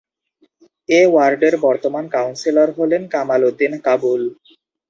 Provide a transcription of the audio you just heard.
এ ওয়ার্ডের বর্তমান কাউন্সিলর হলেন কামাল উদ্দিন কাবুল।